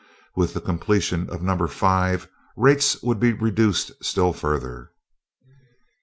With the completion of Number Five, rates would be reduced still further.